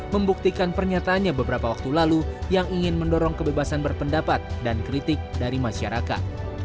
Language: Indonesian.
membuktikan pernyataannya beberapa waktu lalu yang ingin mendorong kebebasan berpendapat dan kritik dari masyarakat